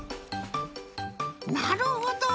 なるほど！